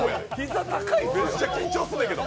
めっちゃ緊張すんねんけど。